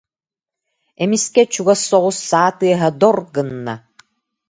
Эмискэ чугас соҕус саа тыаһа «дор» гынна